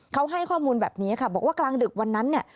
เขาให้ข้อมูลแบบนี้ค่ะบอกว่ากลางดึกวันนั้นเนี่ย